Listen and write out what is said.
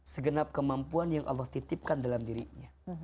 segenap kemampuan yang allah titipkan dalam dirinya